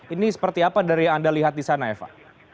ini seperti apa dari yang anda lihat di sana eva